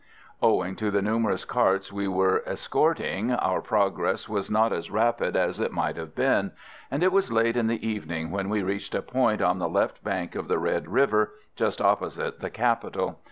Owing to the numerous carts we were escorting our progress was not as rapid as it might have been, and it was late in the evening when we reached a point on the left bank of the Red River, just opposite the capital.